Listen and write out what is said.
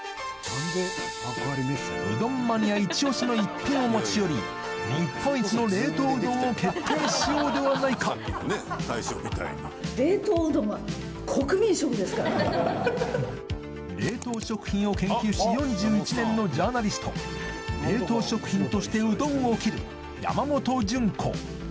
うどんマニアイチオシの一品を持ち寄り日本一の冷凍うどんを決定しようではないか冷凍食品を研究し４１年のジャーナリスト冷凍食品としてうどんを切る山本純子